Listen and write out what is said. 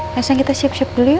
langsung kita siap siap dulu yuk